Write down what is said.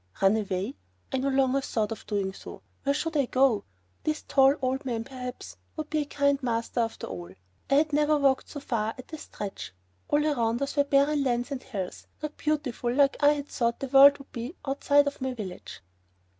Run away I no longer thought of doing so. Where should I go? This tall old man perhaps would be a kind master after all. I had never walked so far at a stretch. All around us were barren lands and hills, not beautiful like I had thought the world would be outside of my village.